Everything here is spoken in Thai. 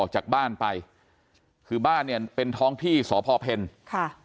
ออกจากบ้านไปคือบ้านเนี่ยเป็นท้องที่สพเพลค่ะ